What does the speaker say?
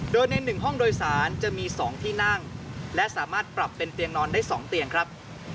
โดยใน๑ห้องโดยสารจะมี๒ที่นั่งและสามารถปรับเป็นเตียงนอนได้๒เตียงครับ